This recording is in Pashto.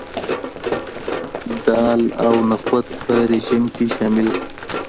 دالونه او نخود په رژیم کې شامل کړئ.